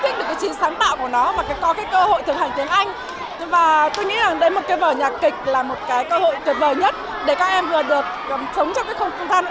vừa được sáng tạo nghệ thuật vừa thực hành tiếng anh và đó là lý do mà chúng tôi chẳng nên làm nhạc kịch